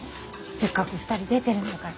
せっかく２人出てるんだから。ねぇ？